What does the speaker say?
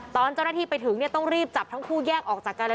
ตอนเจ้าหน้าที่ไปถึงเนี่ยต้องรีบจับทั้งคู่แยกออกจากกันเลย